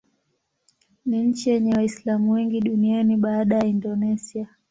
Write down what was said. Ni nchi yenye Waislamu wengi duniani baada ya Indonesia.